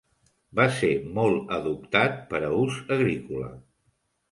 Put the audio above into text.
Va ser molt adoptat per a ús agrícola.